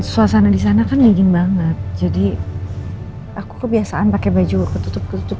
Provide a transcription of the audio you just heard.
suasana di sana kan dingin banget jadi aku kebiasaan pakai baju ketutup ketutup